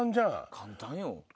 簡単よ。